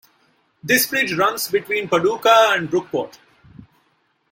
This bridge runs between Paducah and Brookport.